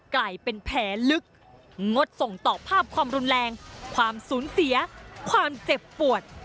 กลายเป็นแผลลึกงดส่งต่อภาพความรุนแรงความสูญเสียความเจ็บปวด